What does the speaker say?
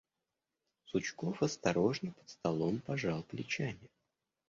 Сучков, острожно, под столом, пожал плечами.